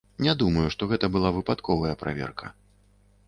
Не думаю, што гэта была выпадковая праверка.